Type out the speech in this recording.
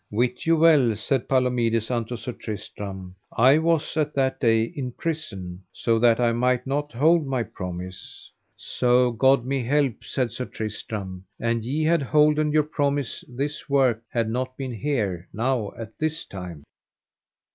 Wit you well, said Palomides unto Sir Tristram, I was at that day in prison, so that I might not hold my promise. So God me help, said Sir Tristram, an ye had holden your promise this work had not been here now at this time.